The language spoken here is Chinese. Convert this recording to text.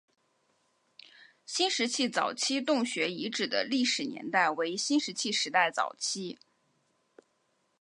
新石器早期洞穴遗址的历史年代为新石器时代早期。